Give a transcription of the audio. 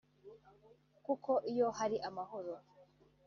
kuko iyo hari amahoro